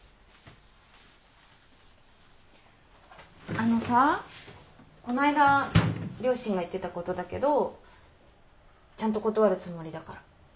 あのさこないだ両親が言ってたことだけどちゃんと断るつもりだから。